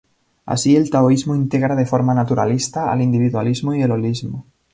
Así el taoísmo integra de forma naturalista al individualismo y el holismo.